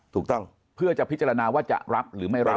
ถูกต้องเพื่อจะพิจารณาว่าจะรับหรือไม่รับ